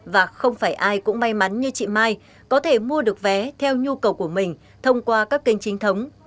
và không phải ai cũng may mắn như chị mai có thể mua được vé theo nhu cầu của mình thông qua các kênh chính thống